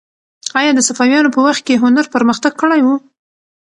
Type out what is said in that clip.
آیا د صفویانو په وخت کې هنر پرمختګ کړی و؟